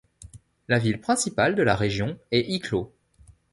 La ville principale de la région est Eeklo.